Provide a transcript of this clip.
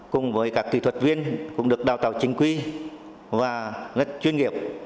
cùng với các kỹ thuật viên cũng được đào tạo chính quy và rất chuyên nghiệp